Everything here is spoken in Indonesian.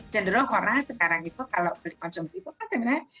cenderung orang sekarang itu kalau beli konsumsi itu kan sebenarnya